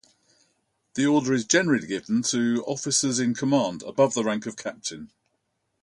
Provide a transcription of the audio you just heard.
The order is generally given to officers in command, above the rank of captain.